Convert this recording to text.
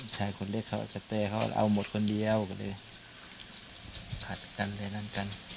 ชายคนเล็กเขาสเตย์เขาเอาหมดคนเดียวก็เลยผัดกันไปนั่นกัน